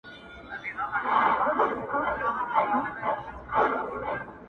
• زه به مي دا عمر په کچکول کي سپلنی کړمه -